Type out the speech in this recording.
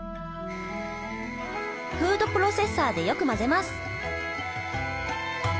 フードプロセッサーでよく混ぜます。